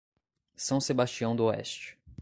São Sebastião do Oeste